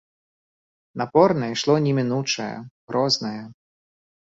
Напорна ішло немінучае, грознае.